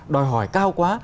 đòi hỏi cao quá